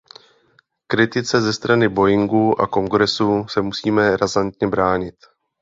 Kritice ze strany Boeingu a Kongresu se musíme razantně bránit.